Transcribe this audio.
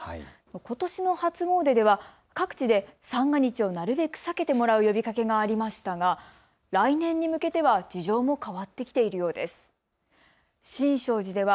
ことしの初詣では各地で三が日をなるべく避けてもらう呼びかけがありましたが来年に向けては事情も変わってきているようです。